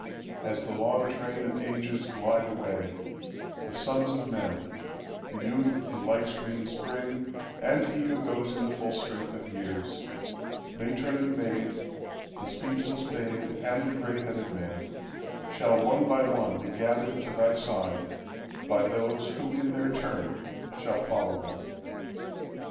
As the long trainOf ages glide away, the sons of men, The youth in life's green spring, and he who goesIn the full strength of years, matron and maid, The speechless babe, and the gray headed man—Shall one by one be gathered to thy sideBy those, who in their turn shall follow them.